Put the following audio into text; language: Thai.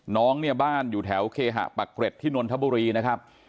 น้องเนี่ยบ้านอยู่แถวเคหะปักเกร็ดที่นนทบุรีนะครับ